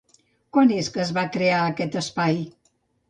Quan és que es va crear aquest espai?